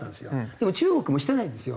でも中国もしてないんですよ。